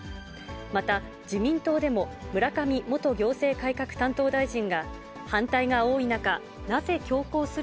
また、自民党でも村上元行政改革担当大臣が、反対が多い中、なぜ強行す